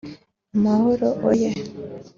Amahoro oyee